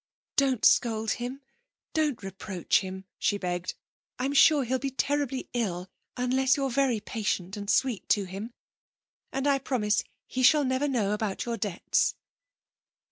'Don't scold him, don't reproach him,' she begged. 'I'm sure he'll be terribly ill unless you're very patient and sweet to him. And I promise he shall never know about your debts.'